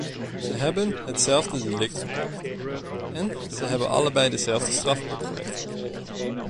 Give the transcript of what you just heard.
Ze hebben hetzelfde delict gepleegd, en ze hebben allebei dezelfde straf opgelegd gekregen.